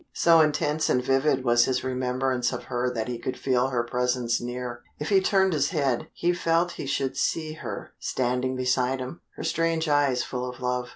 So intense and vivid was his remembrance of her that he could feel her presence near. If he turned his head, he felt he should see her standing beside him, her strange eyes full of love.